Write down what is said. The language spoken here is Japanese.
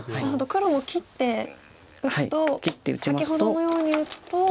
黒も切って打つと先ほどのように打つと。